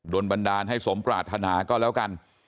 บันดาลให้สมปรารถนาก็แล้วกัน